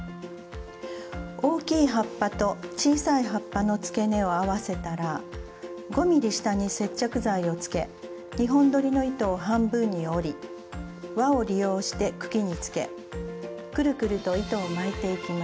大きい葉っぱと小さい葉っぱのつけ根を合わせたら５ｍｍ下に接着剤をつけ２本どりの糸を半分に折り輪を利用して茎につけくるくると糸を巻いていきます。